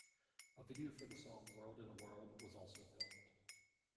A video for the song "World in a World" was also filmed.